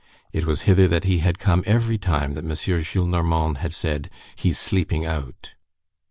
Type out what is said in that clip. It was hither that he had come every time that M. Gillenormand had said: "He is sleeping out."